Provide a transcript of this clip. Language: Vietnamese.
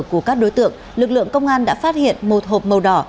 của các đối tượng lực lượng công an đã phát hiện một hộp màu đỏ